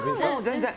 全然。